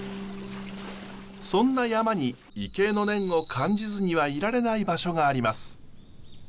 そんな山に畏敬の念を感じずにはいられない場所があります。